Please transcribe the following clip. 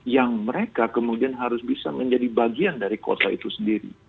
yang mereka kemudian harus bisa menjadi bagian dari kota itu sendiri